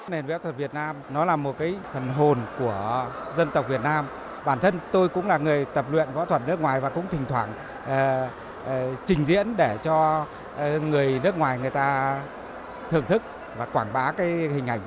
nền vẽ thuật việt nam nó là một cái phần hồn của dân tộc việt nam bản thân tôi cũng là người tập luyện võ thuật nước ngoài và cũng thỉnh thoảng trình diễn để cho người nước ngoài người ta thưởng thức và quảng bá cái hình ảnh của